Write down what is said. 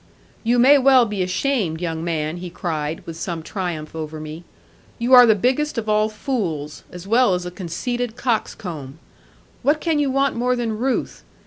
'You may well be ashamed, young man,' he cried, with some triumph over me, 'you are the biggest of all fools, as well as a conceited coxcomb. What can you want more than Ruth?